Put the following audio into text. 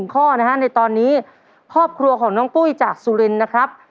ข้อนะฮะในตอนนี้ครอบครัวของน้องปุ้ยจากสุรินทร์นะครับ